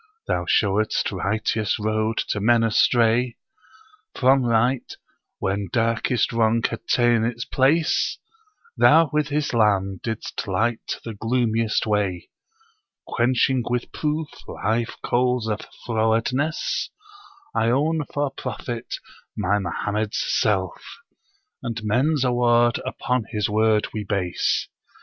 Thou showedst righteous road to men astray From right, when darkest wrong had ta'en its place: Thou with Islâm didst light the gloomiest way, Quenching with proof live coals of frowardness: I own for Prophet, my Mohammed's self, and men's award upon his word we base.